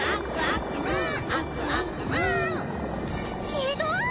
ひどい！